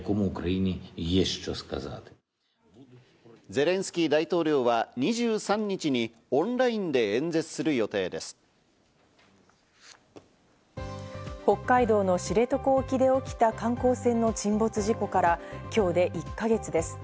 ゼレンスキー大統領は２３日北海道の知床沖で起きた観光船の沈没事故から今日で１か月です。